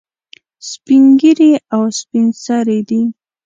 سپین ږیري او سپین سرې دي.